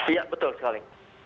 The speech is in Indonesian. iya betul sekali